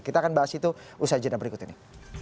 kita akan bahas itu usaha jenah berikut ini